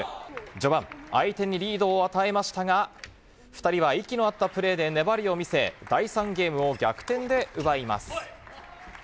序盤、相手にリードを与えましたが、２人は息の合ったプレーで粘りを見せ、第３ゲームを逆転で奪います。